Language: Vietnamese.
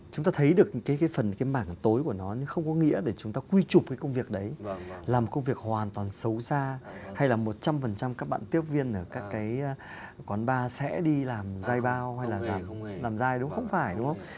chúng ta thấy được cái phần cái mảng tối của nó nhưng không có nghĩa để chúng ta quy trục cái công việc đấy làm công việc hoàn toàn xấu xa hay là một trăm linh các bạn tiếp viên ở các cái quán bar sẽ đi làm dài bao hay là làm dai đúng không phải đúng không